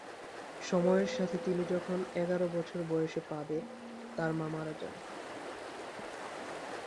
সময়ের সাথে তিনি যখন এগারো বছর বয়সে পা দেন, তার মা মারা যান।